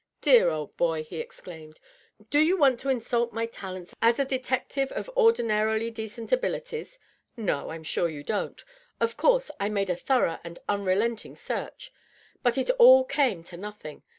"Dear old boy," he exclaimed, ^^ do you want to insult my talents as a detective of ordina 630 DOUGLAS DVANE, rily decent abilities ? No, I'm sure you don't. Of course I made a thorough and unrelenting search. But it all came to nothing.